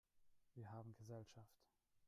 Wir haben Gesellschaft!